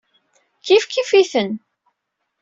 Kifkif-iten.